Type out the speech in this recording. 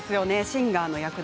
シンガーの役。